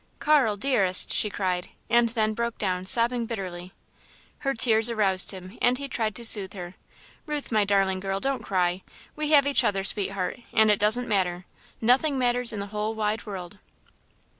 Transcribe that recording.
"Carl! Dearest!" she cried, and then broke down, sobbing bitterly. Her tears aroused him and he tried to soothe her. "Ruth, my darling girl, don't cry. We have each other, sweetheart, and it doesn't matter nothing matters in the whole, wide world."